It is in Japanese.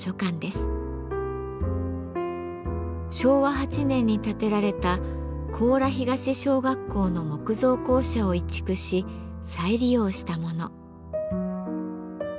昭和８年に建てられた甲良東小学校の木造校舎を移築し再利用したもの。